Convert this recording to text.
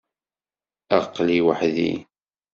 Aql-i weḥd-i.